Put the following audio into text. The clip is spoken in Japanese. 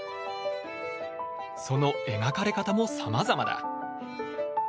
その描かれ方もさまざまだ。